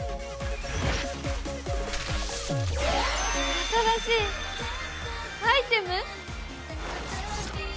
新しいアイテム？